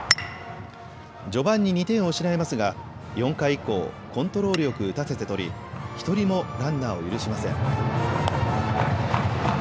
序盤に２点を失いますが４回以降、コントロールよく打たせてとり１人もランナーを許しません。